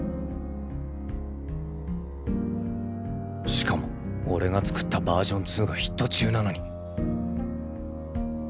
しかも俺が作ったバージョンツーがヒット中なのに。